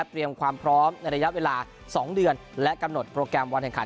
เตรียมความพร้อมในระยะเวลา๒เดือนและกำหนดโปรแกรมวันแห่งขัน